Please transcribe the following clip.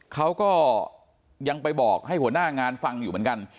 เขาก็ยังไปบอกให้หัวหน้างานฟังอยู่เหมือนกัน